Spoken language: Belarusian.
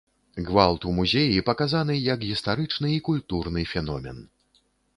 Гвалт у музеі паказаны як гістарычны і культурны феномен.